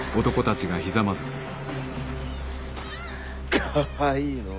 かわいいのう。